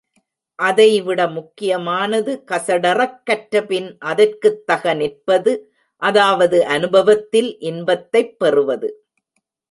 அதைவிட முக்கியமானது கசடறக் கற்றபின் அதற்குத் தக நிற்பது அதாவது அநுபவத்தில் இன்பத்தைப் பெறுவது.